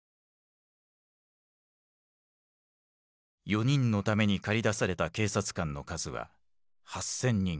４人のために駆り出された警察官の数は８，０００人。